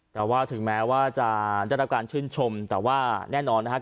แต่ว่าถึงแม้ว่าจะได้รับการชื่นชมแต่ว่าแน่นอนนะครับ